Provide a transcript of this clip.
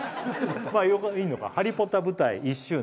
まあいいのか「ハリポタ舞台１周年」